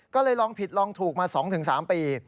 ก็เลยลองผิดลองถูกมา๒๓ปี